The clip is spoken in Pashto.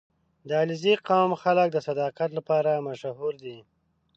• د علیزي قوم خلک د صداقت لپاره مشهور دي.